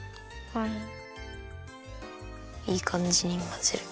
いいかんじにまぜる。